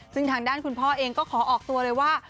ซึ่งทางด้านคุณพ่อเองก็ขอออกตัวเลยว่า